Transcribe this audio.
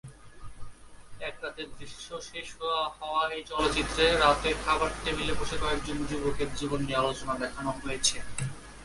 এক রাতের দৃশ্যে শেষ হওয়া এই চলচ্চিত্রে রাতে খাবার টেবিলে বসে কয়েকজন যুবকের জীবন নিয়ে আলোচনা দেখানো হয়েছে।